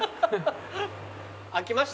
飽きました？